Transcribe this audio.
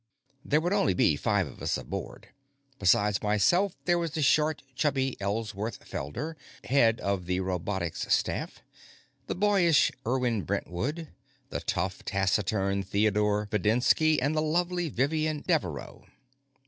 There would be only five of us aboard. Besides myself, there was the short, chubby Ellsworth Felder, head of the robotics staff; the boyish Irwin Brentwood; the tough, taciturn Theodore Videnski; and the lovely Vivian Devereaux.